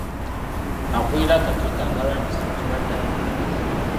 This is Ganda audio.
Akulira akakiiko akalwanyisa ekirwadde afudde.